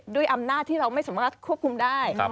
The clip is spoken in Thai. ด้วยอำนาจที่เราไม่สามารถควบคุมได้